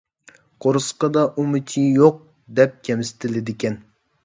«قورسىقىدا ئۇمىچى يوق» دەپ كەمسىتىلىدىكەن.